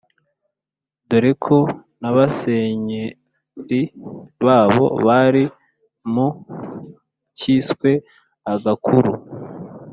dore ko n’abasenyeri babo bari mu cyisweagakuru